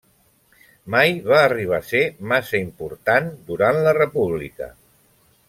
Mai va arribar a ser massa important durant la república.